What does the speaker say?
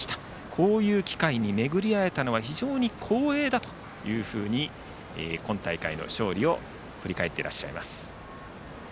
こういう機会に巡り合えたのは非常に光栄だというふうに今大会の勝利を振り返ってらっしゃいます。